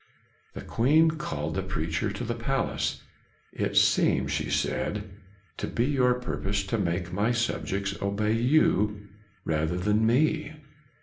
The Queen called the preacher to the palace. " It seems," she said, " to be your purpose to make my subjects obey you rather than me."